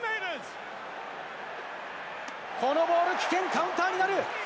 このボール、危険カウンターになる！